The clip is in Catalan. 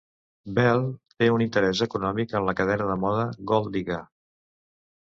Bell té un interès econòmic en la cadena de moda Golddigga.